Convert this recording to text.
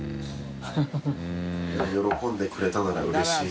喜んでくれたならうれしい。